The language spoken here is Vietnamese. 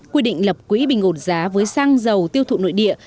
quy định lập quỹ bình ổn giá với xăng dầu tiêu thụ nội địa